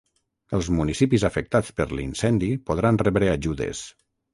Els municipis afectats per l'incendi podran rebre ajudes